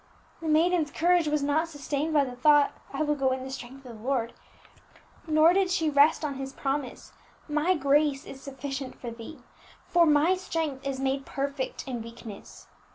The maiden's courage was not sustained by the thought, I will go in the strength of the Lord God; nor did she rest on His promise, _My grace is sufficient for thee, for My strength is made perfect in weakness.